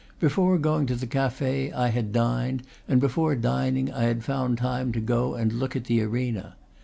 Before going to the cafe I had dined, and before dining I had found time to go and look at the arena.